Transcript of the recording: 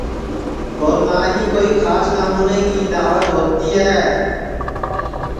اور نہ ہی کوئی کھاس نامونے کی داوت ہوتی ہے